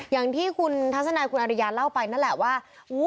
อย่างที่คุณทัศนายคุณอริยาเล่าไปนั่นแหละว่า